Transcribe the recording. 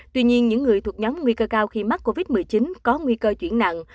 tuy nhiên những người thuộc nhóm nguy cơ cao khi mắc covid một mươi chín có nguy cơ chuyển nặng